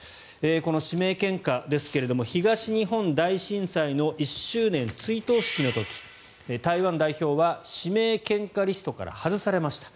この指名献花ですが東日本大震災の１周年追悼式の時台湾代表は指名献花リストからは外されました。